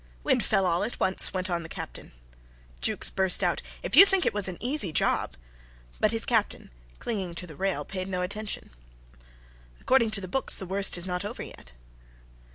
"Wind fell all at once," went on the Captain. Jukes burst out: "If you think it was an easy job " But his captain, clinging to the rail, paid no attention. "According to the books the worst is not over yet."